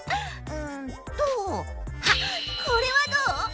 んとあっこれはどう？